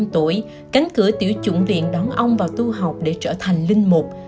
một mươi năm tuổi cánh cửa tiểu chuẩn liện đón ông vào tu học để trở thành linh mục